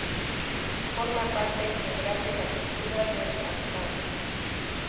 Forma parte integral de la cultura de Assam.